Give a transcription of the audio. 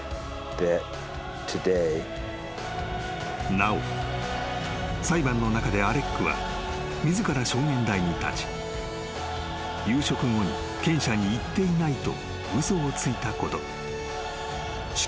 ［なお裁判の中でアレックは自ら証言台に立ち夕食後に犬舎に行っていないと］